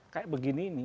kayak begini ini